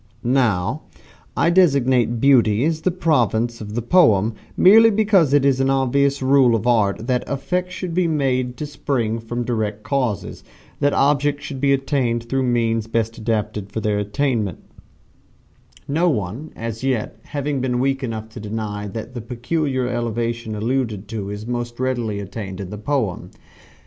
Now I designate Beauty as the province of the poem, merely because it is an obvious rule of Art that effects should be made to spring from direct causes that objects should be attained through means best adapted for their attainment no one as yet having been weak enough to deny that the peculiar elevation alluded to is most readily attained in the poem.